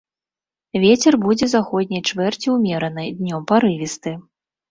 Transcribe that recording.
Вецер будзе заходняй чвэрці ўмераны, днём парывісты.